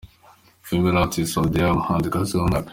Femele Artist of the year: Umuhanzikazi w’Umwaka.